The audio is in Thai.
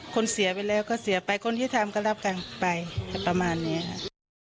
คนเสียไปแล้วก็เสียไปคนที่ทำก็รับกันไปประมาณนี้ค่ะ